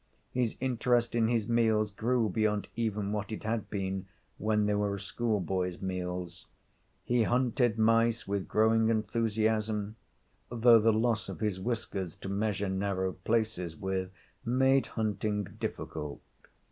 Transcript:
His interest in his meals grew beyond even what it had been when they were a schoolboy's meals. He hunted mice with growing enthusiasm, though the loss of his whiskers to measure narrow places with made hunting difficult.